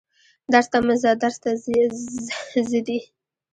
درس ته مه ځه درس ته ځه دي